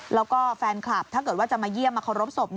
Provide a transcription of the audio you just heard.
แล้วก็แฟนคลับถ้าเกิดว่าจะมาเยี่ยมมาเคารพศพ